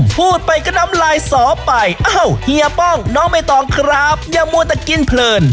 พูดไปก็น้ำลายสอไปอ้าวเฮียป้องน้องใบตองครับอย่ามัวแต่กินเพลิน